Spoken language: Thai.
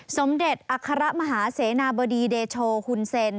สมเด็จอัครมหาเสนาบดีเดโชหุ่นเซ็น